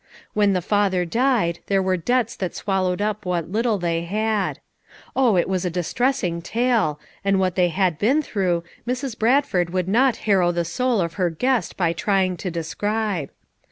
When the father died there were debts that swallowed up what little they had. Oh, it was a distressing tale, and what they had been through, Mrs. Bradford would not harrow the soul of her guest by trying to describe.